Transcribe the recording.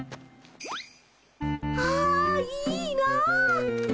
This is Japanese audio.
あいいな。